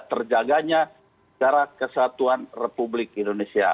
terjaganya cara kesatuan republik indonesia